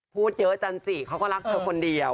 พูดเยอะจันจิเขาก็รักเธอคนเดียว